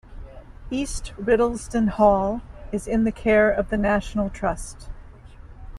East Riddlesden Hall is in the care of the National Trust.